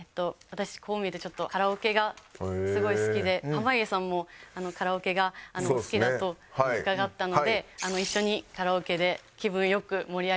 私こう見えてちょっとカラオケがすごい好きで濱家さんもカラオケが好きだと伺ったので一緒にカラオケで気分良く盛り上げる事ができます。